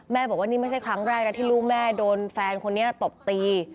บอกว่านี่ไม่ใช่ครั้งแรกนะที่ลูกแม่โดนแฟนคนนี้ตบตี